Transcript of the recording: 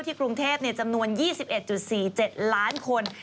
กรุงเทพจำนวน๒๑๔๗ล้านคน